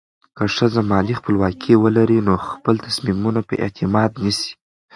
که ښځه مالي خپلواکي ولري، نو خپل تصمیمونه په اعتماد نیسي.